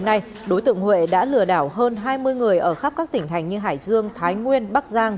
hôm nay đối tượng huệ đã lừa đảo hơn hai mươi người ở khắp các tỉnh thành như hải dương thái nguyên bắc giang